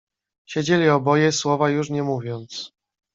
"Siedzieli oboje słowa już nie mówiąc."